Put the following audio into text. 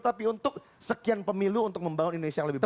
tapi untuk sekian pemilu untuk membangun indonesia yang lebih baik